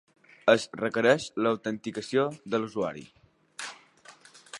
Es requereix l'autenticació de l'usuari.